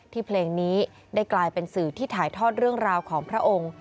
เพลงนี้ได้กลายเป็นสื่อที่ถ่ายทอดเรื่องราวของพระองค์